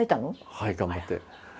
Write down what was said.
はい頑張って。